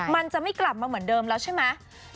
มันจะไม่กลับมาเหมือนเดิมแล้วใช่ไหม